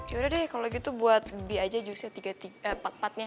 yaudah deh kalo gitu buat bi aja jusnya pat patnya